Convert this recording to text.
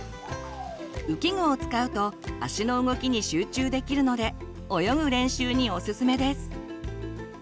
浮き具を使うと足の動きに集中できるので泳ぐ練習にオススメです。